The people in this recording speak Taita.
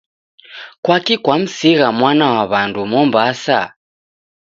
Kwaki kwamsigha mwana wa w'andu Mombasa?